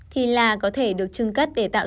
thì là có thể được trưng cất để tạo